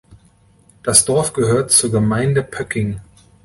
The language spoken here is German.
Das Dorf gehört zur Gemeinde Pöcking.